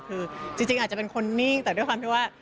คือจริงอาจจะเป็นคนนิ่งแต่ด้วยความที่ว่า